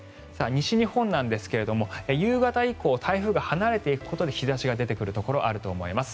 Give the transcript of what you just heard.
西日本なんですが夕方以降台風が離れていくことで日差しが出てくるところあると思います。